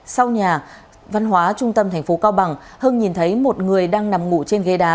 sau nhà văn hóa trung tâm tp hcm hưng nhìn thấy một người đang nằm ngủ trên ghế đá